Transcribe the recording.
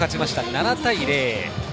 ７対０。